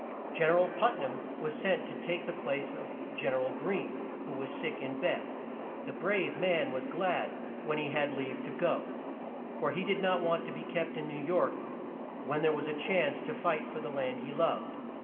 Gen er al Put nam was sent to take the place of Gen er al Greene who was sick in bed. The brave man was glad when he had leave to go, for he did not want to be kept in New York when there was a chance to fight for the land he loved.